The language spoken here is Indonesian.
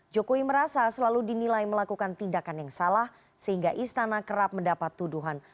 jokowi merasa selalu dinilai melakukan tindakan yang salah sehingga istana kerap mendapat tuduhan